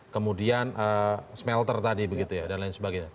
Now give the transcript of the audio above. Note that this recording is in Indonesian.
kemudian smelter tadi begitu ya dan lain sebagainya